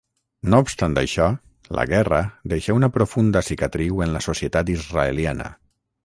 No obstant això la guerra deixà una profunda cicatriu en la societat israeliana.